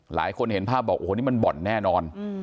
หลายคนเห็นภาพบอกโอ้โหนี่มันบ่อนแน่นอน